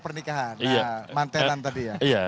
pernikahan nah mantelan tadi ya